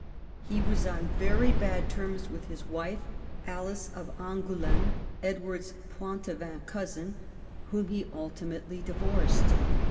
He was on very bad terms with his wife, Alice of Angouleme, Edward's Poitevin cousin, whom he ultimately divorced.